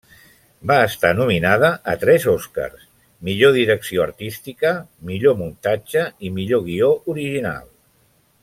Va estar nominada a tres Oscars: millor direcció artística, millor muntatge i millor guió original.